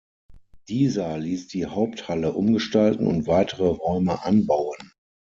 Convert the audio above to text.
Dieser ließ die Haupthalle umgestalten und weitere Räume anbauen.